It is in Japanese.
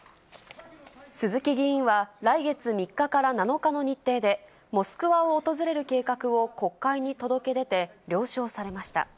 鈴木議員は来月３日から７日の日程で、モスクワを訪れる計画を国会に届け出て、了承されました。